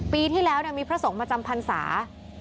ปีที่แล้วมีพระสงฆ์มาจำพรรษา